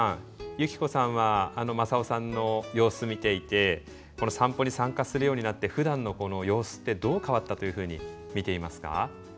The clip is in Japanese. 由希子さんは正雄さんの様子見ていてこの散歩に参加するようになってふだんの様子ってどう変わったというふうに見ていますか？